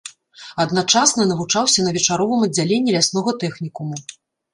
Адначасна навучаўся на вечаровым аддзяленні ляснога тэхнікуму.